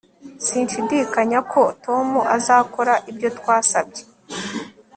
Sinshidikanya ko Tom azakora ibyo twasabye